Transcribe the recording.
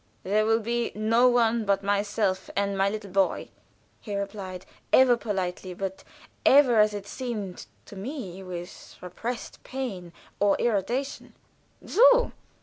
"There will be no one but myself and my little boy," he replied, ever politely, but ever, as it seemed, to me, with repressed pain or irritation. "So!"